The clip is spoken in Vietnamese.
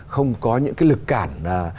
không có những cái lực cản